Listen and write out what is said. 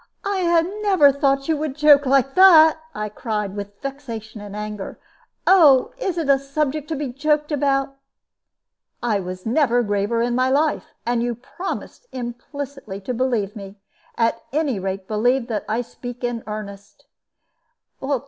"I never thought you would joke like that," I cried, with vexation and anger. "Oh, is it a subject to be joked about?" "I never was graver in my life; and you promised implicitly to believe me. At any rate, believe that I speak in earnest."